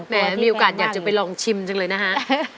มีโอกาสอยากจะไปลองชิมจังเลยนะฮะ